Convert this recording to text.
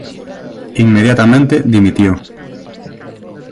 Inmediatamente dimitió.